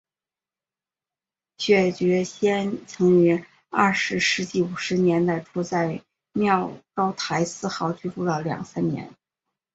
薛觉先曾于二十世纪五十年代初在妙高台四号居住了两三年。